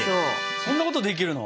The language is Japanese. そんなことできるの？